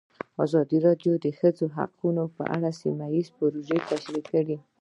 ازادي راډیو د د ښځو حقونه په اړه سیمه ییزې پروژې تشریح کړې.